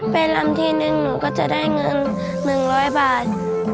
ไปลำทีนึงหนูก็จะได้เงิน๑๐๐บาท